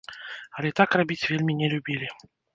Але так рабіць вельмі не любілі.